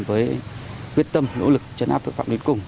với quyết tâm nỗ lực chấn áp tội phạm đến cùng